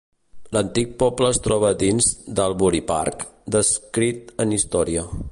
L'antic poble es troba dins d'Albury Park, descrit en Història.